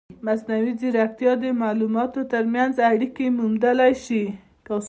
مصنوعي ځیرکتیا د معلوماتو ترمنځ اړیکې موندلی شي.